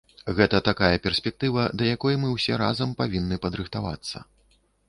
Гэта такая перспектыва, да якой мы ўсе разам павінны падрыхтавацца.